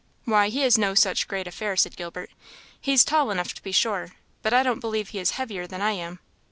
"Why, he is no such great affair," said Gilbert, "he's tall enough, to be sure, but I don't believe he is heavier than I am."